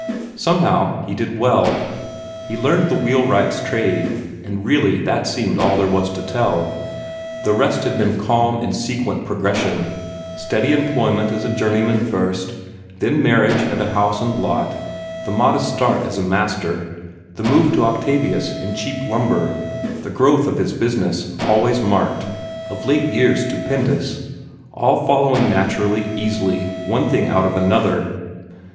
Somehow he did well. He learned the wheelwright's trade, and really that seemed all there was to tell. The rest had been calm and sequent progression steady employment as a journeyman first; then marriage and a house and lot; the modest start as a master; the move to Octavius and cheap lumber; the growth of his business, always marked of late years stupendous all following naturally, easily, one thing out of another.